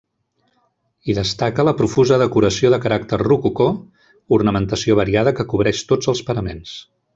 Hi destaca la profusa decoració de caràcter rococó, ornamentació variada que cobreix tots els paraments.